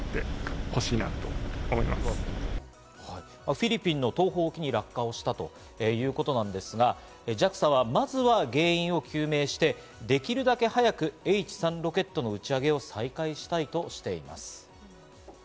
フィリピンの東方沖に落下したということなんですが、ＪＡＸＡはまずは原因を究明して、できるだけ早くＨ３ロケットの打ち上げを再開したいとしています。